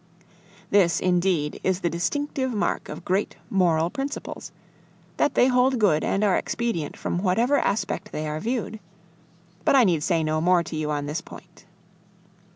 This, indeed, is the distinctive mark of great moral principles, that they hold good and are expedient from whatever aspect they are viewed. But I need say no more to you on this point.